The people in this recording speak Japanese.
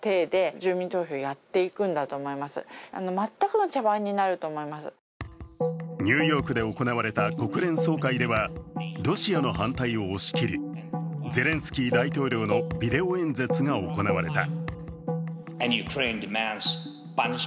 不正が行われる可能性はニューヨークで行われた国連総会ではロシアの反対を押し切りゼレンスキー大統領のビデオ演説が行われた。